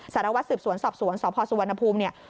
สารวัสดิ์สวรรค์สอบสวรรค์สพสุวรรณภูมิเนี่ย